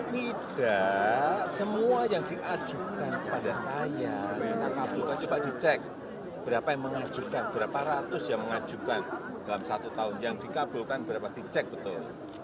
tidak semua yang diajukan kepada saya coba dicek berapa yang mengajukan berapa ratus yang mengajukan dalam satu tahun yang dikabulkan berapa dicek betul